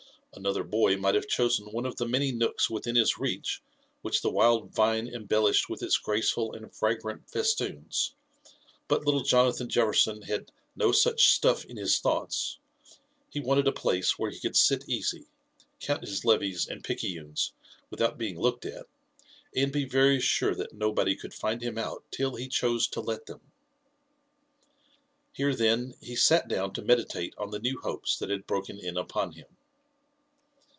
Another boy might have chosen one of the many nooks witbin his reach which the v^ild vine embellished with its graceful and fragrant festoons ; but liltle Jonathan JelTerson had '* no such stuff in his thoughts;" he wanted a place where he could sit easy, count his levys and picciunes without being JONATHAN JEFFERSON VVHITLAW. 17 looked at, and be very sure that nobody could find him out till he chose to let theofi. Here then he sat down to meditate on the new hopes that had broken in upon him.